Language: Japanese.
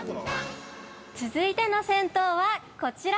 ◆続いての銭湯は、こちら。